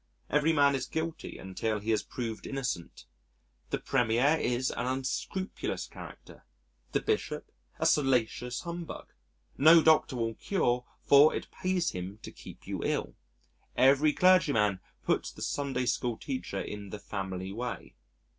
Every man is guilty until he is proved innocent. The Premier is an unscrupulous character, the Bishop a salacious humbug. No doctor will cure, for it pays him to keep you ill. Every clergyman puts the Sunday school teacher in the family way.